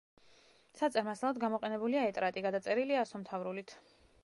საწერ მასალად გამოყენებულია ეტრატი, გადაწერილია ასომთავრულით.